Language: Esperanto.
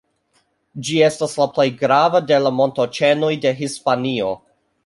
Ĝi estas la plej grava de la montoĉenoj de Hispanio.